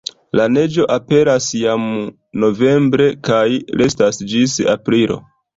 La neĝo aperas jam novembre kaj restas ĝis aprilo.